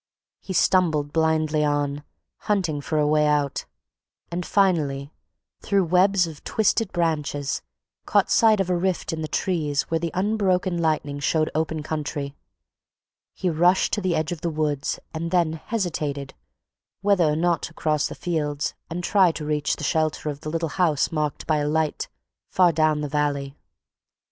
He stumbled blindly on, hunting for a way out, and finally, through webs of twisted branches, caught sight of a rift in the trees where the unbroken lightning showed open country. He rushed to the edge of the woods and then hesitated whether or not to cross the fields and try to reach the shelter of the little house marked by a light far down the valley.